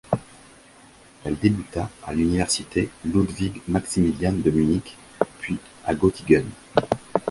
Elle débuta à l'Université Ludwig Maximilian de Munich, puis à Gottigen.